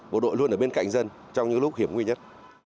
bộ đội luôn ở bên cạnh dân trong những lúc hiểm nguy nhất